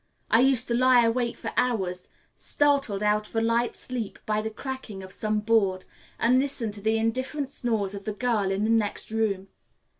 I used to lie awake for hours, startled out of a light sleep by the cracking of some board, and listen to the indifferent snores of the girl in the next room.